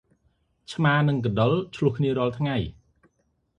ឆ្មានិងកណ្ដុរឈ្លោះគ្នារាល់ថ្ងៃ។